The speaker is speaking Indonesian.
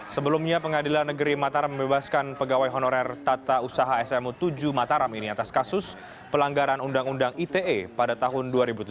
sebelumnya pengadilan negeri mataram membebaskan pegawai honorer tata usaha smu tujuh mataram ini atas kasus pelanggaran undang undang ite pada tahun dua ribu tujuh belas